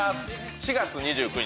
４月２９日